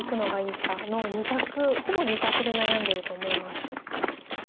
ほぼ２択で悩んでると思います。